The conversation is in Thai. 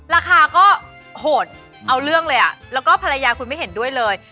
ราคาก็โหดเอาเรื่องเลยอ่ะแล้วก็ภรรยาคุณไม่เห็นด้วยเลย